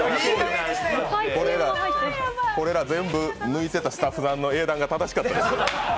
これら、全部抜いてたスタッフさんの英断が正しかったです。